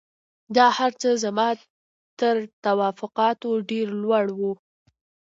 دا هرڅه زما تر توقعاتو ډېر لوړ وو